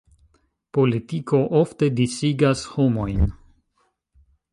Politiko ofte disigas homojn.